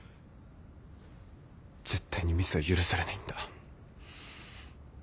絶対にミスは許されないんだ。